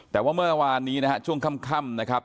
แต่ว่าเมื่อวานนี้นะฮะช่วงค่ำนะครับ